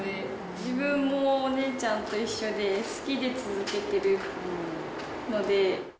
自分もお姉ちゃんと一緒で、好きで続けてるので。